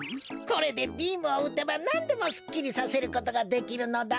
これでビームをうてばなんでもすっきりさせることができるのだ。